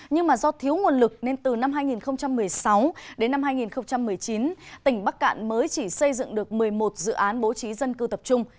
nhưng do thiếu nguồn lực nên từ năm hai nghìn một mươi sáu đến năm hai nghìn một mươi chín tỉnh bắc cạn mới chỉ xây dựng được một mươi một dự án bố trí dân cư tập trung